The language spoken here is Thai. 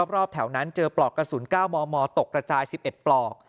รอบแถวนั้นเจอปลอกกระสุน๙มมตกระจาย๑๑ปลอก